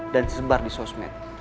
dan sebar di sosmed